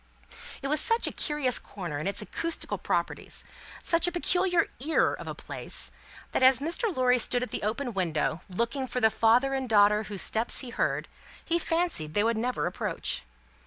It was such a curious corner in its acoustical properties, such a peculiar Ear of a place, that as Mr. Lorry stood at the open window, looking for the father and daughter whose steps he heard, he fancied they would never approach.